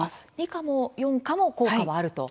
２価も４価も効果はあると。